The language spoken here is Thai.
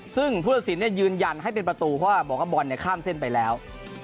ซึ่งภูตศิลป์เนี่ยยืนยันให้เป็นประตูเพราะบอกว่าบอลเนี่ยข้ามเส้นไปแล้ว